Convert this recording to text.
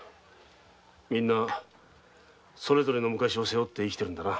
みんなそれぞれの昔を背負って生きているんだな。